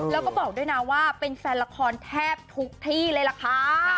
แล้วก็บอกด้วยนะว่าเป็นแฟนละครแทบทุกที่เลยล่ะค่ะ